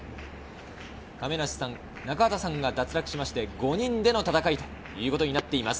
亀梨さん、中畑さんが脱落して５人での戦いということになっています。